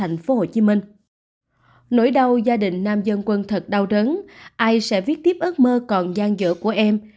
nỗi đau gia đình nam dân quân thật đau rớn ai sẽ viết tiếp ước mơ còn gian dở của em